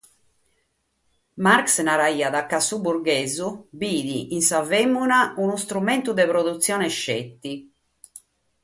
Marx naraiat chi «su burghesu bidet in sa mugere isceti un'istrumentu de produtzione».